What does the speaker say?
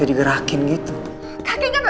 tapi digunakan karena kak lo